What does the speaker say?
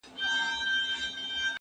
زه هره ورځ د سبا لپاره د ژبي تمرين کوم..